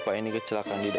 pintar di melayu tengah masa